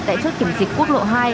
tại chốt kiểm dịch quốc lộ hai